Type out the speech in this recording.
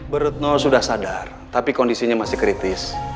bu retno sudah sadar tapi kondisinya masih kritis